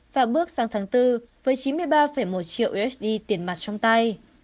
và bước sang tháng bốn với chín mươi ba một triệu usd tiền mặt trong tay